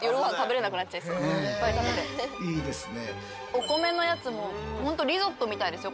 お米のやつも本当リゾットみたいですよ。